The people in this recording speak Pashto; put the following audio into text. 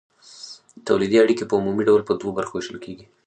تولیدي اړیکې په عمومي ډول په دوو برخو ویشل کیږي.